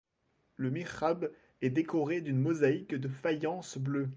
Le mihrab est décoré d'une mosaïque de faïence bleue.